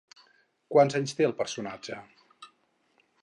Quants anys té el personatge?